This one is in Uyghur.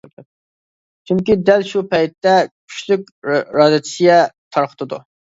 چۈنكى، دەل شۇ پەيتتە كۈچلۈك رادىياتسىيە تارقىتىدۇ.